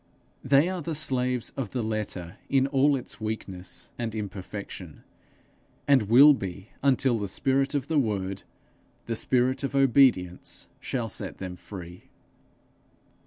They are the slaves of the letter in all its weakness and imperfection, and will be until the spirit of the Word, the spirit of obedience shall set them free.